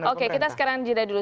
oke kita sekarang jeda dulu